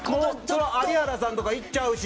有原さんとか行っちゃうし。